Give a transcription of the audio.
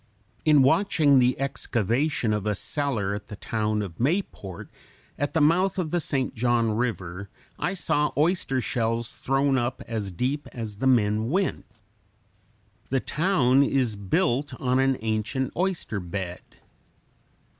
In watching the excavation of a cellar at the town of Mayport at the mouth of the St. John River I saw oyster shells thrown up as deep as the men went. The town is built on an ancient oyster bed.